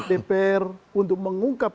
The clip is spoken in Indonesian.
dpr untuk mengungkap